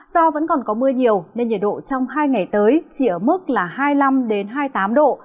do vẫn còn có mưa nhiều nên nhiệt độ trong hai ngày tới chỉ ở mức là hai mươi năm hai mươi tám độ